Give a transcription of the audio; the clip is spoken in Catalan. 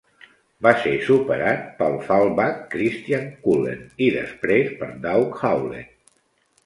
Va ser superat pel fullback Christian Cullen i després per Doug Howlett.